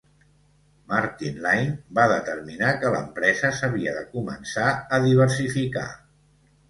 Martin Laing va determinar que l'empresa s'havia de començar a diversificar.